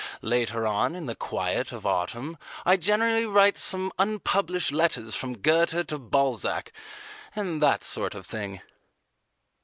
Later on, in the quiet of the autumn I generally write some "Unpublished Letters from Goethe to Balzac," and that sort of thing.